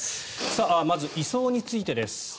まず移送についてです。